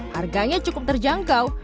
harganya cukup terjangkau